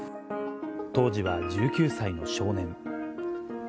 当時は１９歳の少年。